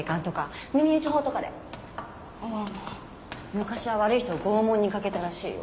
昔は悪い人を拷問にかけたらしいよ。